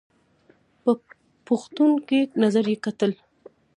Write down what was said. په پوښتونکي نظر یې کتل !